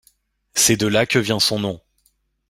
C'est de là que vient son nom.